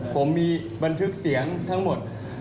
ผมมีบันทึกเสียงทั้งหมด